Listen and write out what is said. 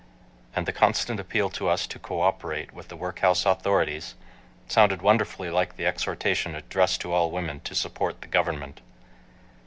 And the constant appeal to us to "cooperate" with the workhouse authorities sounded wonderfully like the exhortation addressed to all women to "support the Government."